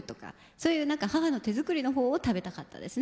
そういう何か母の手作りの方を食べたかったですね